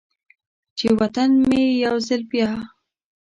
چې و طن مې یو ځل بیا،